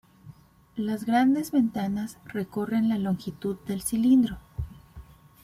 Las grandes ventanas recorren la longitud del cilindro.